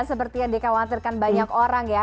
seperti yang dikhawatirkan banyak orang ya